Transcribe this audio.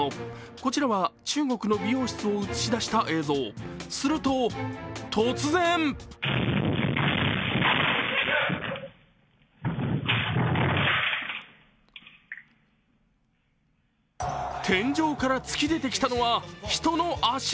こちらは中国の美容室を映し出した映像、すると突然天井から突き出てきたのは、人の足。